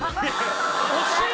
惜しい！